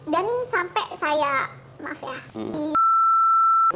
dan sampai saya maaf ya